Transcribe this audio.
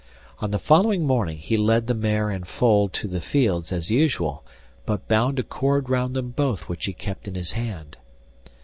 On the following morning he led the mare and foal to the fields as usual, but bound a cord round them both which he kept in his hand.